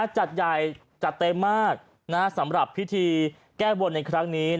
จัดใหญ่จัดเต็มมากสำหรับพิธีแก้บนในครั้งนี้